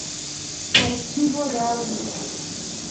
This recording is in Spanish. Archivo de audio